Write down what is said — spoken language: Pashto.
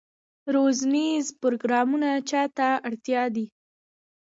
روزنیز پروګرامونه چا ته اړتیا دي؟